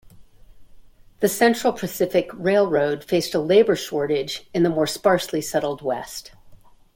The Central Pacific Railroad faced a labor shortage in the more sparsely-settled West.